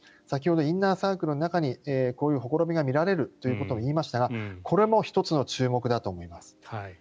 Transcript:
先ほどインナーサークルの中にこういうほころびがみられるということを言いましたがこれも１つの注目だと思います。